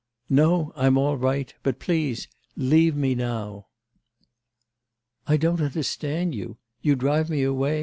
'No... I'm all right... but, please, leave me now.' 'I don't understand you. You drive me away?..